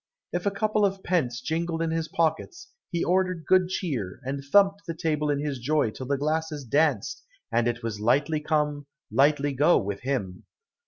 If a couple of pence jingled in his pockets, he ordered good cheer, and thumped the table in his joy till the glasses danced, and it was lightly come, lightly go, with him.